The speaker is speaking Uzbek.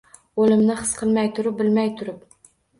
Oʼlimni his qilmay turib, bilmay turib